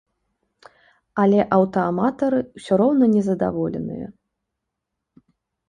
Але аўтааматары ўсё роўна незадаволеныя.